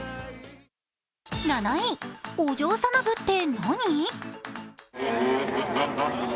７位、お嬢様部って何？